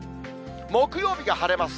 木曜日が晴れます。